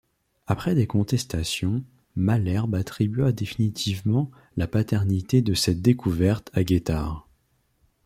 Après des contestations, Malesherbes attribua définitivement la paternité de cette découverte à Guettard.